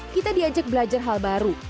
kita diajak belajar hal baru